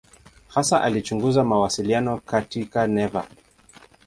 Hasa alichunguza mawasiliano katika neva.